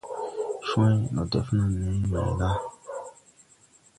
Cwãy. Ndɔ def naa nee may la?